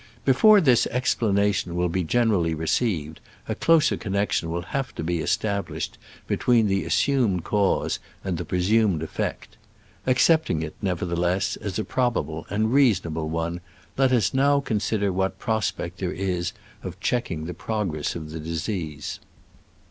Before this explana tion will be generally received a closer connection will have to be established between the assumed cause and the presumed effect. Accepting it, never theless, as a probable and reasonable one, let us now consider what prospect there is of checking the progress of the disease.